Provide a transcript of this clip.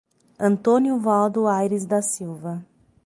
Antônio Valdo Aires da Silva